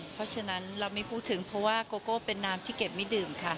เพราะฉะนั้นเราไม่พูดถึงเพราะว่าโกโก้เป็นน้ำที่เก็บไม่ดื่มค่ะ